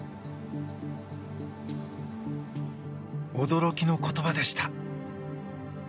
驚きの言葉でした。